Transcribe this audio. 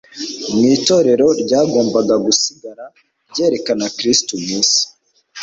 Mu itorero ryagombaga gusigara ryerekana Kristo mu isi.